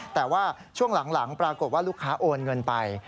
แต่ว่าช่วงหลังปรากฏว่าลูกค้าโอนเงินไป